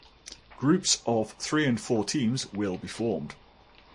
Groups of three and four teams will be formed.